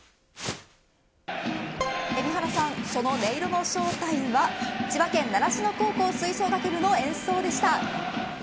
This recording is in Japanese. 海老原さん、その音色の正体は千葉県習志野高校吹奏楽部の演奏でした。